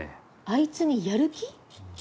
あいつにやる気？